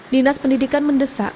dinas pendidikan mendesakkan